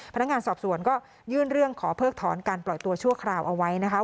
พนักงานสอบสวนก็ยื่นเรื่องขอเพิกถอนการปล่อยตัวชั่วคราวเอาไว้นะคะ